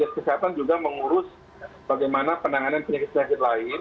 dinas kesehatan juga mengurus bagaimana penanganan penyakit penyakit lain